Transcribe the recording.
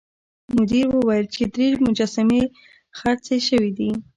مدیر وویل چې درې مجسمې خرڅې شوې دي.